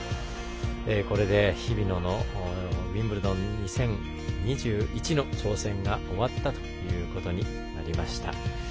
これで日比野のウィンブルドン２０２１の挑戦が終わったということになりました。